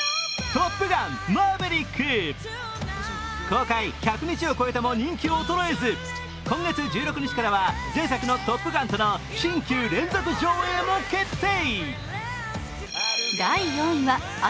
公開１００日を超えても人気衰えず今月１６日からは前作の「トップガン」との新旧連続上映も決定。